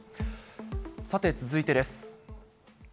さて、続いてです。